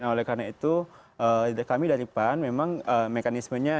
oleh karena itu kami dari pan memang mekanismenya